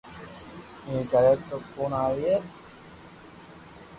ايم ڪري تو ڪوڻ آوئي